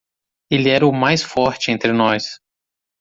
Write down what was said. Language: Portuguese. Ele era o mais forte entre nós.